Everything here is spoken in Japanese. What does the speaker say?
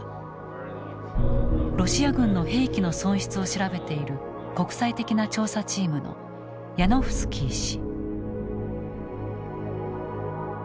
ロシア軍の兵器の損失を調べている国際的な調査チームのヤノフスキー氏。